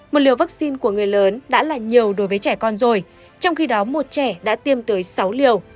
một liều vaccine của người lớn đã là nhiều đối với trẻ con rồi trong khi đó một trẻ đã tiêm tới sáu liều